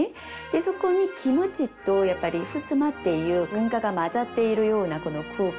そこに「キムチ」と「ふすま」っていう文化が混ざっているようなこの空間。